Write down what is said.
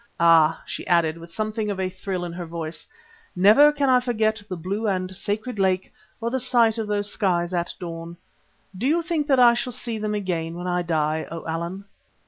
Ah!" she added with something of a thrill in her voice, "never can I forget the blue of the sacred lake or the sight of those skies at dawn. Do you think that I shall see them again when I die, O Allan?"